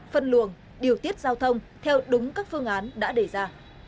phân luồng điều tiết giao thông theo đúng các phương án đã đề ra